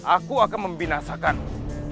aku akan membinasakanmu